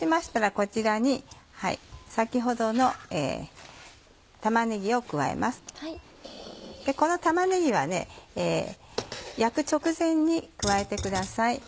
この玉ねぎは焼く直前に加えてください。